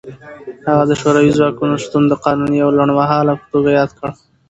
هغه د شوروي ځواکونو شتون د قانوني او لنډمهاله په توګه یاد کړ.